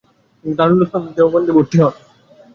তিনি দারুল উলুম দেওবন্দে ভর্তি হন।